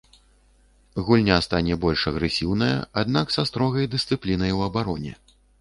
Гульня стане больш агрэсіўная, аднак са строгай дысцыплінай у абароне.